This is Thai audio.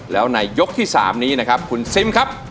แล้วในยกที่๓นี้นะครับคุณซิมครับ